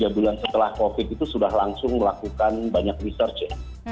tiga bulan setelah covid itu sudah langsung melakukan banyak research ya